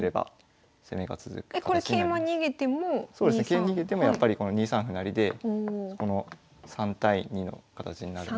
桂逃げてもやっぱりこの２三歩成でこの３対２の形になるので。